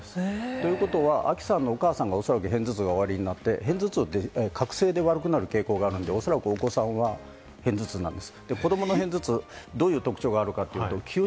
ということは亜希さんのお母さんがおそらく片頭痛がおありになって、片頭痛って隔世で悪くなる傾向があるので、おそらくお子さんは片頭痛です。